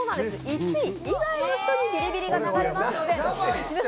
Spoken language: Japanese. １位以外の人にビリビリが流れますので。